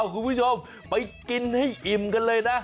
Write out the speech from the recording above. คุณผู้ชมไปกินให้อิ่มกันเลยนะ